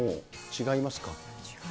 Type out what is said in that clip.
違いますね。